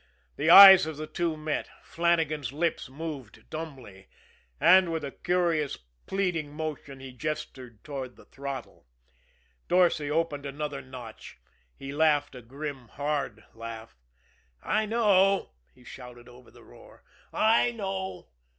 The eyes of the two men met. Flannagan's lips moved dumbly; and, with a curious, pleading motion, he gestured toward the throttle. Dorsay opened another notch. He laughed a grim, hard laugh. "I know," he shouted over the roar. "I know.